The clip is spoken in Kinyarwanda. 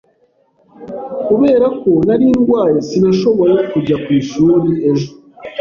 Kubera ko nari ndwaye sinashoboye kujya ku ishuri ejo.